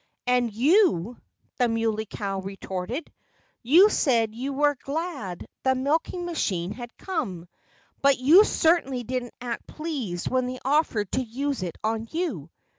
"And you " the Muley Cow retorted "you said you were glad the milking machine had come. But you certainly didn't act pleased when they offered to use it on you....